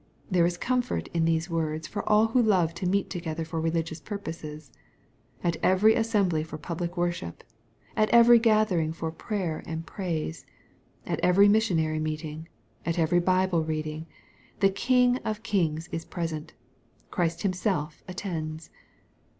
There is comfort in these words for all who love to meet together for religious purposes. At every assembly for public worship, — ^at every gathering for prayer and praise, — at every missionary meeting, — at every Bible reading; the King of kings is present, — Christ Himself attends.